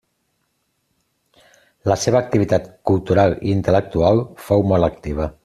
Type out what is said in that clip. La seva activitat cultural i intel·lectual fou molt activa.